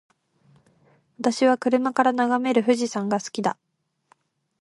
私は車から眺める富士山が好きだ。